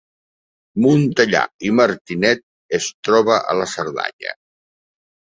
Montellà i Martinet es troba a la Cerdanya